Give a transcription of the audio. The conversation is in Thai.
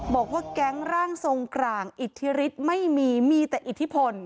บอกว่าแก๊งร่างทรงกลางอิทธิฤทธิ์ไม่มีมีแต่อิทธิพล